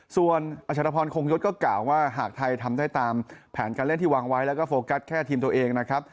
ส่วนอัชรพรคงยศก็กล่าวว่าหากไทยทำได้ตามแผนการเล่นที่วางไว้แล้วก็โฟกัสแค่ทีมตัวเองนะครับ